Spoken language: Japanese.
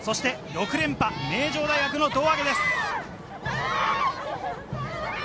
６連覇、名城大学の胴上げです。